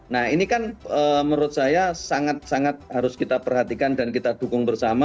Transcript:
nah ini kan menurut saya sangat sangat harus kita perhatikan dan kita dukung bersama